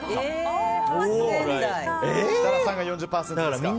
設楽さんが４０％ですね。